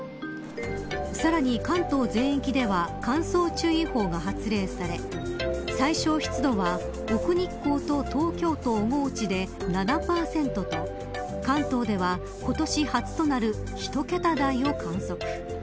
さらに、関東全域では乾燥注意報が発令され最小湿度は、奥日光と東京都小河内で７％と関東では今年初となる１桁台を観測。